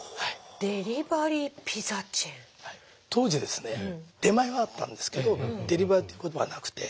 当時ですね出前はあったんですけどデリバリーという言葉はなくて。